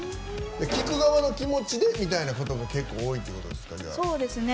聴く側の気持ちでみたいなことが結構多いってことですか？